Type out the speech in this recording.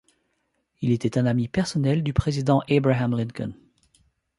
Il était un ami personnel du président Abraham Lincoln.